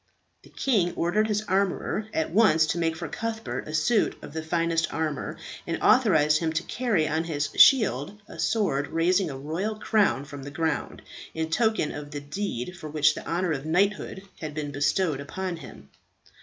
The king ordered his armourer at once to make for Cuthbert a suit of the finest armour, and authorized him to carry on his shield a sword raising a royal crown from the ground, in token of the deed for which the honour of knighthood had been bestowed upon him.